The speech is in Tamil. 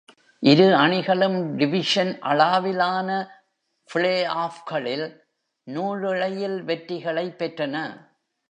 இரு அணிகளும், டிவிஷன் அளாவிலான பிளேஆஃப்களில் நூலிழையில் வெற்றிகளைப் பெற்றன.